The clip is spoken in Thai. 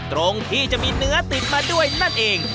ตรงที่จะมีเนื้อติดมาด้วยนั่นเอง